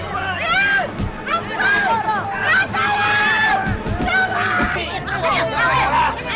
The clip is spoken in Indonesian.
kalau lo ngaku dibuat pekerjaan sama mereka